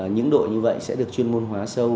những đội như vậy sẽ được chuyên môn hóa sâu